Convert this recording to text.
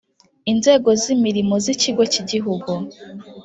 Inzego z Imirimo z Ikigo cy Igihugu